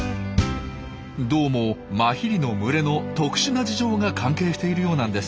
どうもマヒリの群れの特殊な事情が関係しているようなんです。